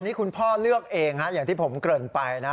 นี่คุณพ่อเลือกเองฮะอย่างที่ผมเกริ่นไปนะ